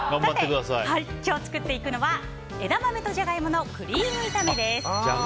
今日作っていくのは枝豆とジャガイモのクリーム炒めです。